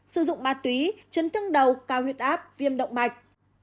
sử dụng ma túy chấn thương đầu cao huyết áp viêm động mạch